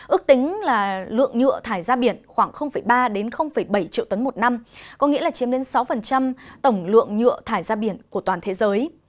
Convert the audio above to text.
ước tính là lượng nhựa thải ra biển khoảng ba bảy triệu tấn một năm có nghĩa là chiếm đến sáu tổng lượng nhựa thải ra biển của toàn thế giới